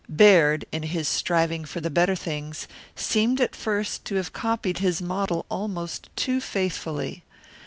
Baird, in his striving for the better things, seemed at first to have copied his model almost too faithfully.